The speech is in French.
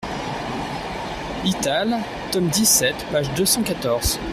Ital., tome dix-sept, page deux cent quatorze.